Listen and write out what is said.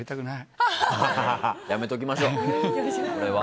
やめときましょう、それは。